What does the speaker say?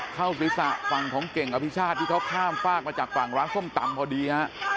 เข้าศีรษะฝั่งของเก่งอภิชาติที่เขาข้ามฝากมาจากฝั่งร้านส้มตำพอดีฮะ